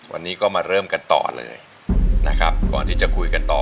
วันนี้ก็มาเริ่มกันต่อเลยนะครับก่อนที่จะคุยกันต่อ